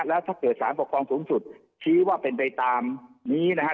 แล้วถ้าเกิดสารปกครองสูงสุดชี้ว่าเป็นไปตามนี้นะฮะ